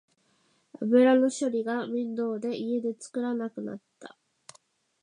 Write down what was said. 油の処理が面倒で家で作らなくなった